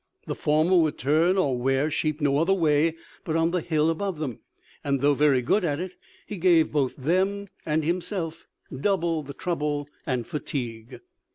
The former would turn or wear sheep no other way but on the hill above them; and, though very good at it, he gave both them and himself double the trouble and fatigue.